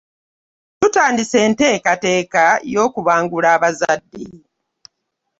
Tutandise enteekateeka y'okubangula abazadde.